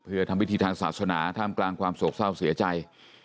เพื่อทำพิธีทางศาสนาท่ามกลางความโศกเศร้าเสียใจ